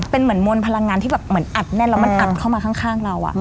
เป็นเหมือนมนตร์พลังงานที่แบบอัดแน่นเข้ามาข้างเรา